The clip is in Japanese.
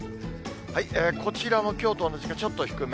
こちらもきょうと同じかちょっと低め。